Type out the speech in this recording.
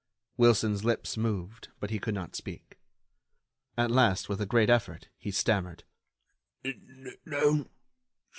Wilson's lips moved, but he could not speak. At last, with a great effort, he stammered: "No